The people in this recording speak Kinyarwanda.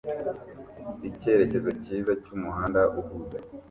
Icyerekezo cyiza cyumuhanda uhuze